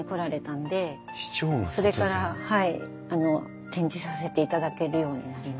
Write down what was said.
それからはい展示させていただけるようになりました。